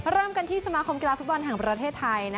เริ่มกันที่สมาคมกีฬาฟุตบอลแห่งประเทศไทย